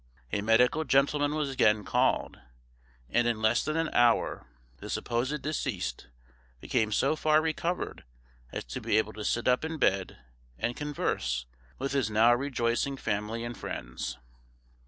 A medical gentleman was again called, and in less than an hour the supposed deceased became so far recovered as to be able to sit up in bed and converse with his now rejoicing family and friends.